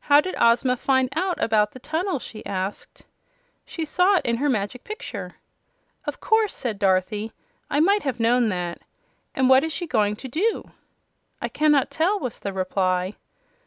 "How did Ozma find out about the tunnel?" she asked. "She saw it in her Magic Picture." "Of course," said Dorothy; "I might have known that. And what is she going to do?" "I cannot tell," was the reply.